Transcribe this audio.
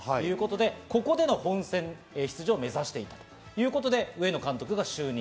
ここでの本戦出場を目指しているということで上野監督が就任。